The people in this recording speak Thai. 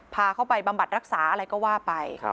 พาเขาไปบำบัดรักษาอะไรก็ว่าไป